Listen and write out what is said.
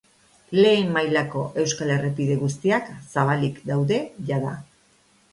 Lehen mailako euskal errepide guztiak zabalik daude jada.